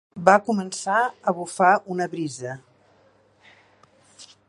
Va començar a bufar una brisa.